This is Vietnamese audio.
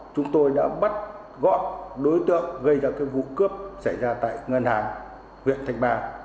chúng tôi đã bắt gọn đối tượng gây ra vụ cướp xảy ra tại ngân hàng